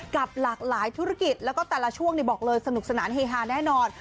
กับหลากหลายธุรกิจแล้วก็แต่ละช่วงบอกเลยสนุกสนานเฮฮาแน่นอน